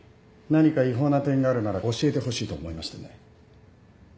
何か違法な点があるなら教えてほしいと思いましてね。